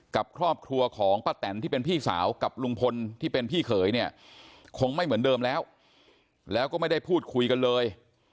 กับครอบครัวของป้าแตนที่เป็นพี่สาวกับลุงพลที่เป็นพี่เขยเนี่ยคงไม่เหมือนเดิมแล้วแล้วก็ไม่ได้พูดคุยกันเลย